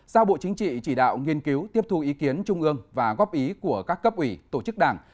giao bộ chính trị chỉ đạo nghiên cứu tiếp thu ý kiến trung ương và góp ý của các cấp ủy tổ chức đảng